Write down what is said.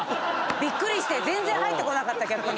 びっくりして全然入ってこなかった逆に。